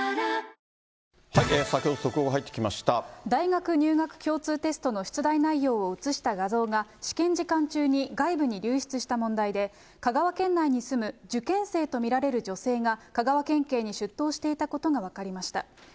大学入学共通テストの出題内容を写した画像が、試験時間中に外部に流出した問題で、香川県内に住む受験生と見られる女性が、香川県警に出頭していたことが分かりました。